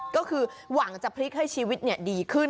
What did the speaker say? ก็คือหวังจะพลิกให้ชีวิตดีขึ้น